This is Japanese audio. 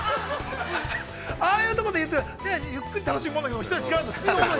ああいうところで、ゆっくり楽しむものなんだけど、１人違うんだ。